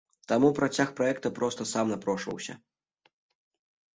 Таму працяг праекта проста сам напрошваўся.